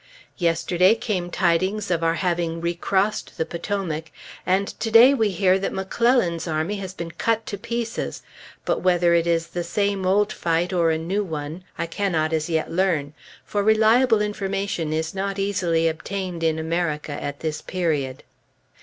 Yesterday came tidings of our having recrossed the Potomac, and to day we hear that McClellan's army has been cut to pieces; but whether it is the same old fight or a new one, I cannot as yet learn; for reliable information is not easily obtained in America at this period.